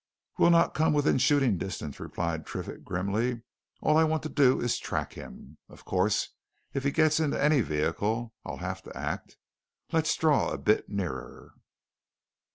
"We'll not come within shooting distance," replied Triffitt grimly. "All I want to do is to track him. Of course, if he gets into any vehicle, I'll have to act. Let's draw a bit nearer."